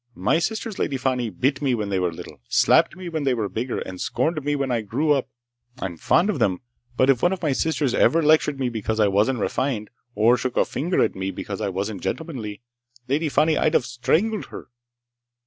My sisters, Lady Fani, bit me when they were little, slapped me when they were bigger, and scorned me when I grew up. I'm fond of 'em! But if one of my sisters'd ever lectured me because I wasn't refined, or shook a finger at me because I wasn't gentlemanly— Lady Fani, I'd've strangled her!"